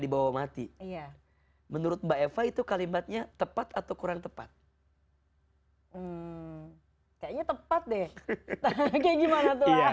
dibawa mati iya menurut mbak eva itu kalimatnya tepat atau kurang tepat hai kayaknya tepat deh